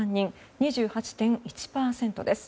２８．１％です。